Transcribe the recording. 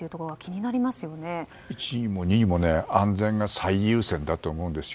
１にも２にも安全が最優先だと思います。